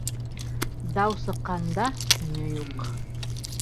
Дау сыҡҡанда, өнө юҡ...